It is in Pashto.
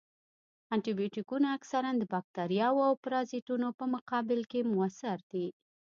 انټي بیوټیکونه اکثراً د باکتریاوو او پرازیتونو په مقابل کې موثر دي.